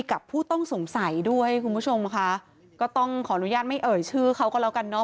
กับผู้ต้องสงสัยด้วยคุณผู้ชมค่ะก็ต้องขออนุญาตไม่เอ่ยชื่อเขาก็แล้วกันเนอ